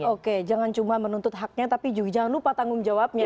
oke jangan cuma menuntut haknya tapi jangan lupa tanggung jawabnya